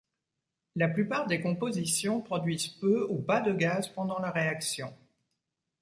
La plupart des compositions produisent peu ou pas de gaz pendant la réaction.